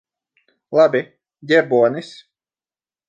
Labi. Ģērbonis.